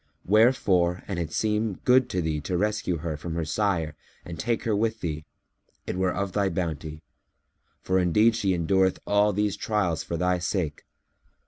Wherefore, an it seem good to thee to rescue her from her sire and take her with thee, it were of thy bounty, for indeed she endureth all these trials for thy sake.